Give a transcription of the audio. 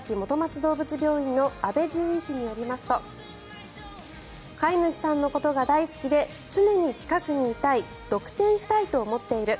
どうぶつ病院の阿部獣医師によりますと飼い主さんのことが大好きで常に近くにいたい独占したいと思っている。